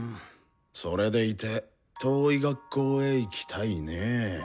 それでいて「遠い学校へ行きたい」ねぇ。